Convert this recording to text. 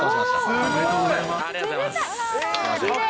ありがとうございます。